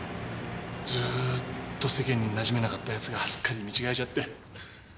ずーっと世間になじめなかった奴がすっかり見違えちゃって。